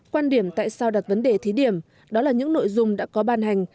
quan điểm tại sao đặt vấn đề thí điểm đó là những nội dung đã có ban hành